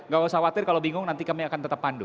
gak usah khawatir kalau bingung nanti kami akan tetap pandu